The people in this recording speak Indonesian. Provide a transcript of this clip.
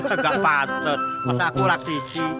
enggak patut pas aku raksisi